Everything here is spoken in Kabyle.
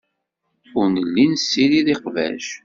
Ur nelli nessirid iqbac.